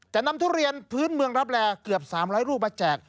นำทุเรียนพื้นเมืองรับแร่เกือบ๓๐๐รูปมาแจก